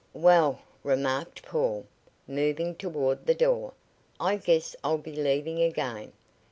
"Well," remarked Paul, moving toward the door, "I guess I'll be leaving again.